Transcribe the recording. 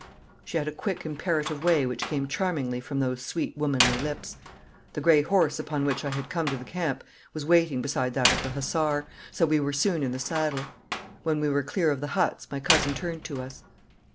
She had a quick imperative way which came charmingly from those sweet womanly lips. The grey horse upon which I had come to the camp was waiting beside that of the hussar, so we were soon in the saddle. When we were clear of the huts my cousin turned to us.